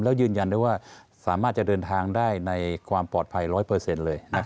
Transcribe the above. แล้วยืนยันได้ว่าสามารถจะเดินทางได้ในความปลอดภัยร้อยเปอร์เซ็นต์เลยนะครับ